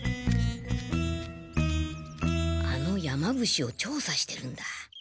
あの山伏を調査してるんだ。